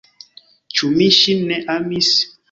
Ĉu mi ŝin ne amis?